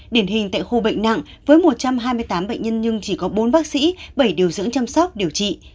điển hình tại khu bệnh nặng với một trăm hai mươi tám bệnh nhân nhưng chỉ có bốn bác sĩ bảy điều dưỡng chăm sóc điều trị